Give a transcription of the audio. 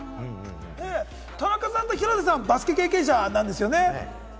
田中さんと広瀬さん、バスケ経験者なんですよね？